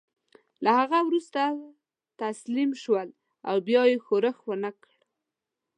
له هغه وروسته تسلیم شول او بیا یې ښورښ ونه کړ.